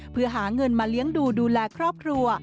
เพื่อหาเงินมาเลี้ยงดูดูแลครอบครัว